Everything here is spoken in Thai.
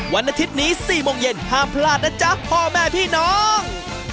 วันอาทิตย์นี้๔โมงเย็นห้ามพลาดนะจ๊ะพ่อแม่พี่น้อง